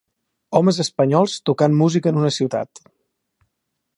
Homes espanyols tocant música en una ciutat.